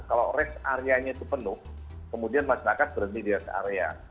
kalau res area nya itu penuh kemudian masyarakat berhenti di res area